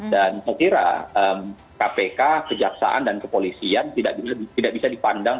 dan saya kira kpk kejaksaan dan kepolisian tidak bisa dipandang